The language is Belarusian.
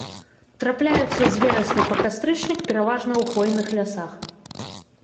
Трапляюцца з верасня па кастрычнік пераважна ў хвойных лясах.